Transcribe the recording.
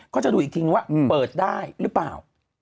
จะดูอีกทีนึงว่าเปิดได้หรือเปล่า